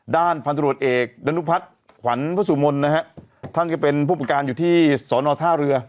ด้านพันธุรวจเอกดนุพัฒน์ขวัญพระสู่มลนะฮะท่านจะเป็นผู้ปกการอยู่ที่ศนท่ารื้อ